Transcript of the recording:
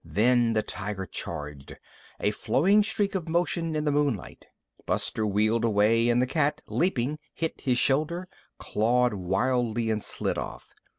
Then the tiger charged, a flowing streak of motion in the moonlight. Buster wheeled away and the cat, leaping, hit his shoulder, clawed wildly and slid off.